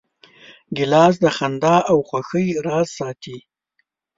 ګیلاس د خندا او خوښۍ راز ساتي.